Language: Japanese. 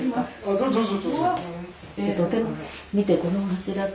どうぞどうぞ。